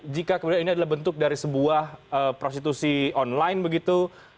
jika kemudian ini adalah bentuk dari sebuah prostitusi online begitu